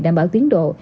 đảm bảo tiến độ